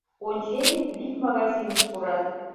Ончем — вик магазиныш пурат.